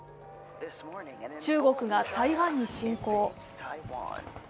中国が台湾に侵攻。